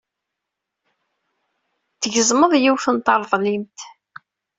Tgezmeḍ yiwet n treḍlimt.